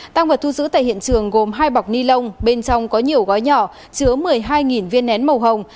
tăng vật thu giữ tại hiện trường gồm hai bọc ni lông bên trong có nhiều gói nhỏ chứa một mươi hai viên nén màu hồng